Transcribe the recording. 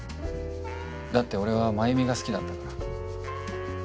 だって俺は繭美が好きだったから。